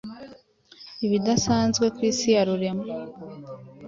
ibidasanzwe ku Isi ya Rurema,